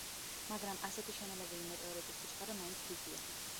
მაგრამ ასეთი შენელებული მეტეორიტის სიჩქარე მაინც დიდია.